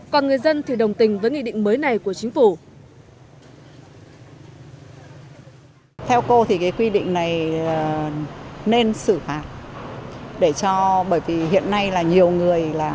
còn người dân thì đồng tình với nghị định mới này của chính phủ